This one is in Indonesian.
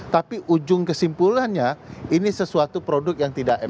tapi ujung kesimpulannya ini sesuatu produk yang tidak enak